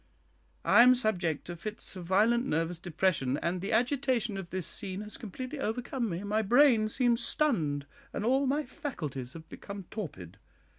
I am subject to fits of violent nervous depression, and the agitation of this scene has completely overcome me; my brain seems stunned, and all my faculties have become torpid.